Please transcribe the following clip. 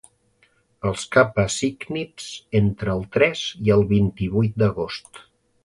els Kappa Cígnids entre el tres i el vint-i-vuit d'agost